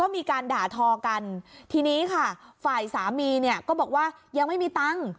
มีการด่าทอกันทีนี้ค่ะฝ่ายสามีเนี่ยก็บอกว่ายังไม่มีตังค์